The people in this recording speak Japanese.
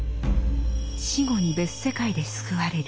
「死後に別世界で救われる」